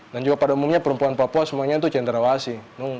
dan juga pada umumnya perempuan papua semuanya itu cendrawasi